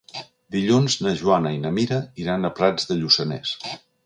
Dilluns na Joana i na Mira iran a Prats de Lluçanès.